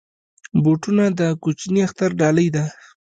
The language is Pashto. بوټونه د کوچني اختر ډالۍ ده.